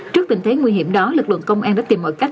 trước tình thế nguy hiểm đó lực lượng công an đã tìm mọi cách